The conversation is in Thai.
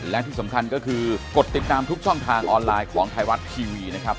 และที่สำคัญก็คือกดติดตามทุกช่องทางออนไลน์ของไทยรัฐทีวีนะครับ